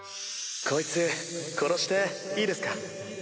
こいつ殺していいですか？